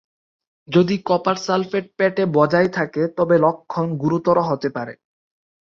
যদি copper sulphate পেটে বজায় থাকে তবে লক্ষণ গুরুতর হতে পারে।